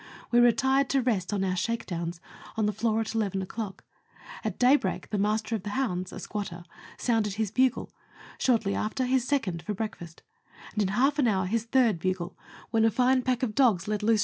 We retired to rest on our shakedowns on the floor at eleven o'clock ; at daybreak the master of the hounds, a squatter, sounded his bugle ; shortly after, his second, for breakfast ; and in half an hour his third bugle, when a fine pack of dogs let loose 120 Letters from Victorian Pioneers.